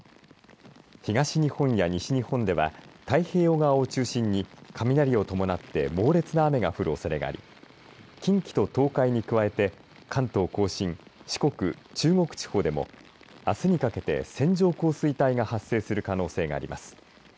東日本や西日本では太平洋側を中心に雷を伴って猛烈な雨が降るおそれがあり近畿と東海に加えて関東甲信四国・中国地方でもあすにかけて線状降水帯が発生する可能性があります。